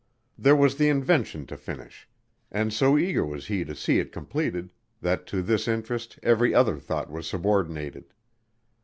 There was the invention to finish, and so eager was he to see it completed that to this interest every other thought was subordinated.